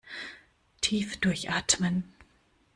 Tief durchatmen!